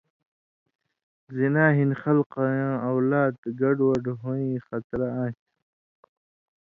زِنا ہِن خلکاں اولاد گَڈ وڈ ہُوئیں خطرہ آن٘سیۡ